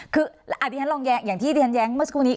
คืออาทิตย์ท่านลองแย้งอย่างที่ทีท่านแย้งเมื่อสักครู่นี้